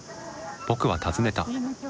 僕は尋ねた。